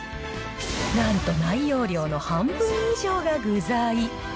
なんと内容量の半分以上が具材。